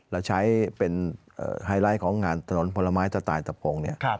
เราใช้เป็นไฮไลท์ของงานถนนผลไม้ตะตายตะพงนี่